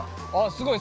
すごい。